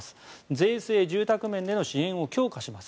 税制・住宅面での支援を強化します